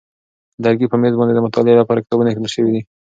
د لرګي په مېز باندې د مطالعې لپاره کتابونه ایښودل شوي دي.